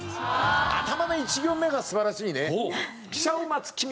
頭の１行目が素晴らしいね。